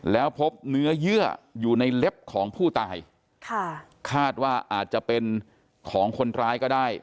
แล้วพบเนื้อเยื่ออยู่ในเล็บของผู้ตายค่ะคาดว่าอาจจะเป็นของคนร้ายก็ได้